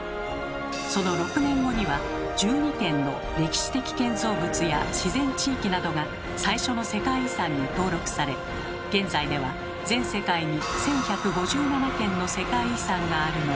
その６年後には１２件の歴史的建造物や自然地域などが最初の世界遺産に登録され現在では全世界に１，１５７件の世界遺産があるのです。